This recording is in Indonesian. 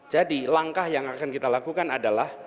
jadi langkah yang akan kita lakukan adalah